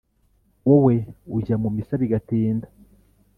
wowe ujya mu misa bigatinda